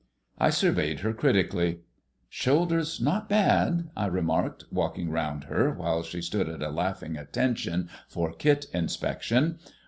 I surveyed her critically. "Shoulders not bad," I remarked, walking round her, while she stood at a laughing attention for kit inspection.